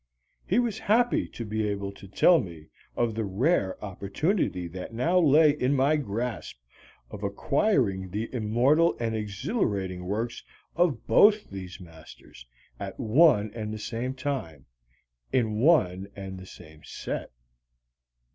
He was happy to be able to tell me of the rare opportunity that now lay in my grasp of acquiring the immortal and exhilarating works of both these masters at one and the same time in one and the same set.